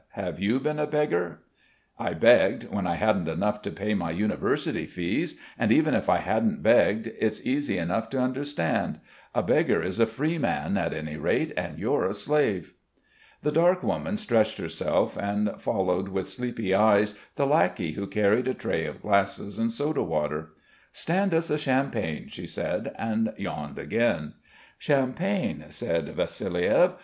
Have you been a beggar?" "I begged, when I hadn't enough to pay my university fees; and even if I hadn't begged it's easy enough to understand. A beggar is a free man, at any rate, and you're a slave." The dark woman stretched herself, and followed with sleepy eyes the lackey who carried a tray of glasses and soda water. "Stand us a champagne," she said, and yawned again. "Champagne," said Vassiliev.